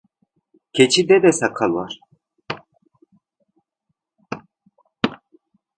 Keçide de sakal var.